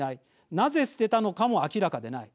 なぜ捨てたのかも明らかでない。